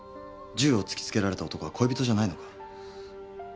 銃を突き付けられた男は恋人じゃないのか？